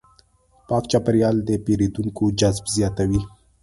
پاک چاپېریال د پیرودونکو جذب زیاتوي.